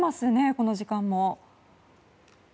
この時間も。